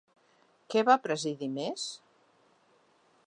Què va presidir Més?